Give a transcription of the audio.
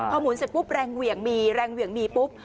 พอหมุนเสร็จปุ๊บแรงเหวี่ยงมีแรงเหวี่ยงมีปุ๊บ